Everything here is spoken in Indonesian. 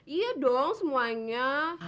iya dong semuanya